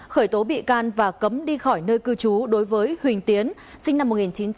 khởi tố bị can và cấm đi khỏi nơi cư trú đối với huỳnh tiến sinh năm một nghìn chín trăm tám mươi